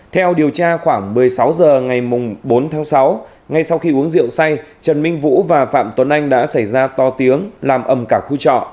theo điều tra khoảng một mươi sáu h ngày bốn tháng sáu ngay sau khi uống rượu say trần minh vũ và phạm tuấn anh đã xảy ra to tiếng làm ẩm cả khu trọ